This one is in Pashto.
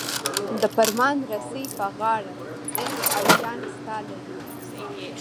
د فرمان رسۍ په غاړه انس او جان ستا لري.